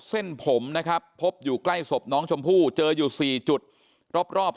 เส้นผมนะครับพบอยู่ใกล้ศพน้องชมพู่เจออยู่๔จุดรอบ